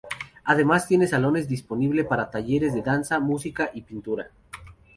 Además tiene salones disponible para talleres de danza, música y pintura.